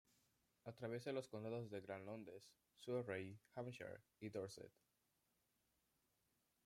Atraviesa los condados de Gran Londres, Surrey, Hampshire y Dorset.